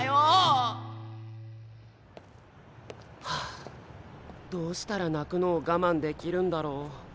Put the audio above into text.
あどうしたら泣くのをがまんできるんだろう。